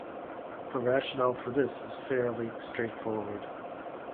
The rationale for this is fairly straightforward.